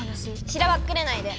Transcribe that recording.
しらばっくれないで！